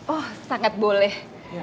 oh sangat boleh